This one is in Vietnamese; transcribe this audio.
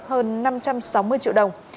hơn năm trăm sáu mươi triệu đồng